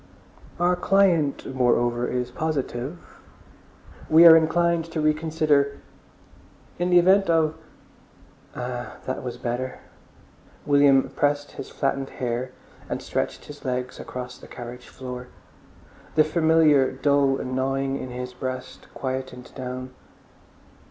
"Our client moreover is positive.... We are inclined to reconsider... in the event of—" Ah, that was better. William pressed back his flattened hair and stretched his legs across the carriage floor. The familiar dull gnawing in his breast quietened down.